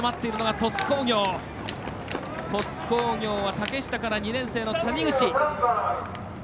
鳥栖工業は竹下から２年生の谷口。